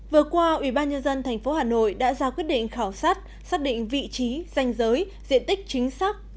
vừa qua ubnd tp hà nội đã ra quyết định khảo sát xác định vị trí danh giới diện tích chính xác